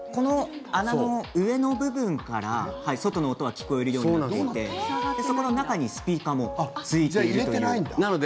よく見ると穴が開いていてこの穴の上の部分から外の音が聞こえるようになっていてそこの中にスピーカーもついています。